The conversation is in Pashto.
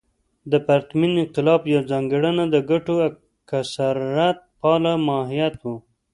د پرتمین انقلاب یوه ځانګړنه د ګټو کثرت پاله ماهیت و.